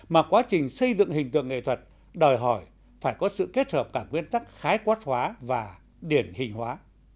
mà quá trình xây dựng hình tượng nghệ thuật đòi hỏi phải có sự kết hợp cả nguyên tắc khái quát hóa và điển hình hóa